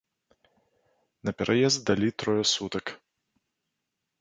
На пераезд далі трое сутак.